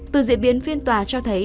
từ diễn biến phiên tòa cho thấy